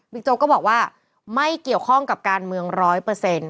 โจ๊กก็บอกว่าไม่เกี่ยวข้องกับการเมืองร้อยเปอร์เซ็นต์